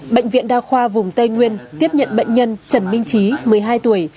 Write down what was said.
bệnh viện đa khoa vùng tây nguyên tiếp nhận bệnh nhân trần minh trí một mươi hai tuổi